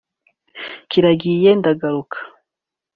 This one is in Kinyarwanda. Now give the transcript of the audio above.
kirangiye ndagaruka